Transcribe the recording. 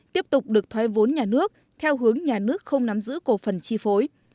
tiếp tục được thoái vốn nhà nước theo hướng nhà nước không nắm giữ cổ phần chi phối